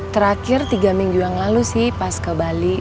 terakhir tiga minggu yang lalu sih pas ke bali